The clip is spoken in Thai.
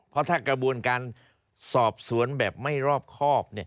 เพราะถ้ากระบวนการสอบสวนแบบไม่รอบครอบ